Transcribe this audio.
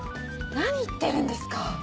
何言ってるんですか！